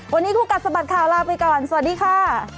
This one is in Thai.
วันนี้คู่กัดสะบัดข่าวลาไปก่อนสวัสดีค่ะ